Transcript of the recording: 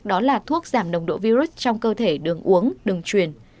đó là thuốc giảm nồng độ virus trong cơ thể đường uống đường truyền